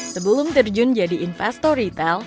sebelum terjun jadi investor retail